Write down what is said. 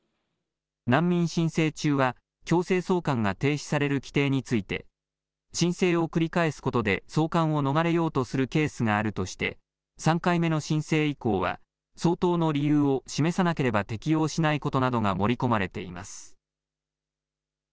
難民申請中は強制送還が停止される規定について申請を繰り返すことで送還を逃れようとするケースがあるとして３回目の申請以降は相当の理由を示さなければ適用しないことなどが盛り込まれています。